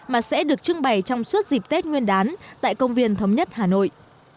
mà sẽ được trưng bày trong suốt dịp tết nguyên đán tại công viên thống nhất hà nội